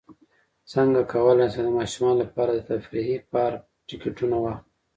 څنګه کولی شم د ماشومانو لپاره د تفریحي پارک ټکټونه واخلم